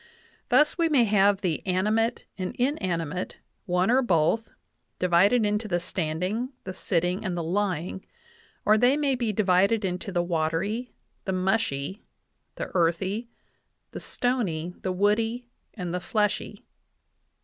Thus we may have the animate and inanimate, one or both, divided into the standing, the sitting, and the lying; or they may be divided into the watery, the mushy, the earthy, the stony, the woody, and the fleshy."